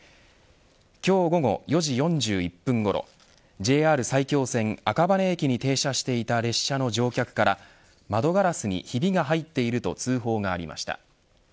今日午後４時４１分ごろＪＲ埼京線赤羽駅に停車していた列車の乗客から窓ガラスにひびが入っていると通報がありました。